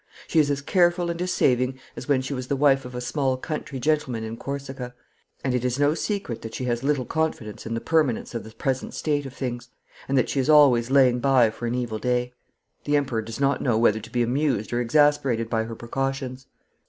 She is as careful and as saving as when she was the wife of a small country gentleman in Corsica, and it is no secret that she has little confidence in the permanence of the present state of things, and that she is always laying by for an evil day. The Emperor does not know whether to be amused or exasperated by her precautions.